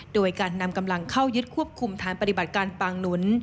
โดยการนำกำลังเข้ายึดควบคุมฐานปฏิบัติการปางหนุน